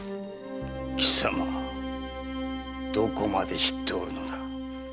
きさまどこまで知っておるのだ？